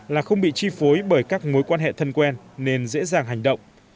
là không bị chi phối bởi các mối quan hệ thân quen nên dễ dàng hành động